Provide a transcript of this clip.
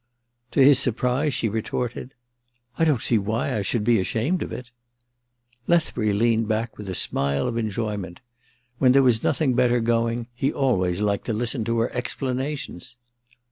To his surprise she retorted :* I don't sec why I should be ashamed of it !' Lethbury leaned back with a smile of enjoy ment. When there was nothing better going he always liked to listen to her explanations.